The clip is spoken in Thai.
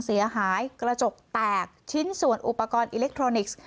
เสียหายกระจกแตกชิ้นส่วนอุปกรณ์อิเล็กทรอนิกส์